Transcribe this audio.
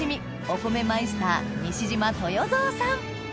お米マイスター西島豊造さん